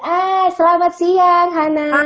hai selamat siang hana